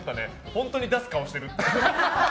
本当に出す顔してるって。